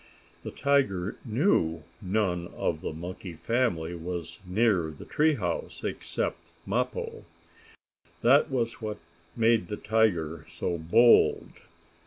The tiger knew none of the monkey family was near the tree house except Mappo. That was what made the tiger so bold.